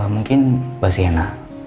mungkin mbak siena